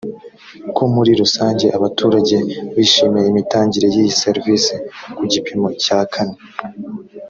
ko muri rusange abaturage bishimiye imitangire y iyi serivisi ku gipimo cya kane